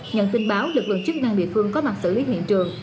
nhận tin báo lực lượng chức năng địa phương có mặt xử lý hiện trường